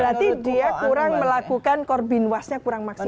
berarti dia kurang melakukan korbinwasnya kurang maksimal